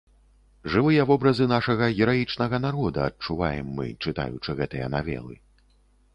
Жывыя вобразы нашага гераічнага народа адчуваем мы, чытаючы гэтыя навелы.